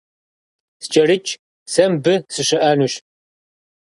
СкӀэрыкӀ, сэ мыбы сыщыӀэнущ!